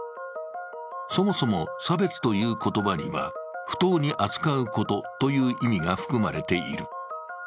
そもそも差別という言葉には不当に扱うことという意味が含まれている。